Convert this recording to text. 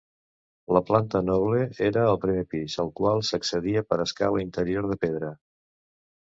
La planta noble, era al primer pis, al qual s'accedia per escala interior de pedra.